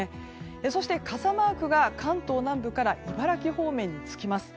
そして、傘マークが関東南部から茨城方面につきます。